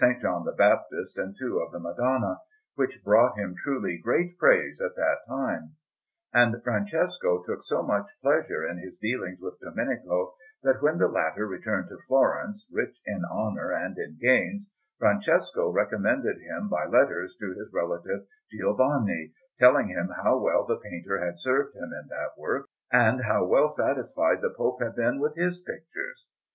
John the Baptist and two of the Madonna which brought him truly great praise at that time. And Francesco took so much pleasure in his dealings with Domenico, that, when the latter returned to Florence rich in honour and in gains, Francesco recommended him by letters to his relative Giovanni, telling him how well the painter had served him in that work, and how well satisfied the Pope had been with his pictures.